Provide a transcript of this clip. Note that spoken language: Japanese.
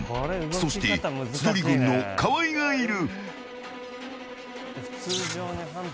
そして、千鳥軍の河合がいる。